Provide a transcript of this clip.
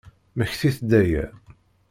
Mmektit-d aya!